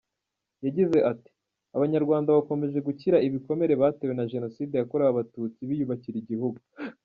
Yagize ati “Abanyarwanda bakomeje gukira ibikomere batewe na Jenoside yakorewe Abatutsi biyubakira igihugu.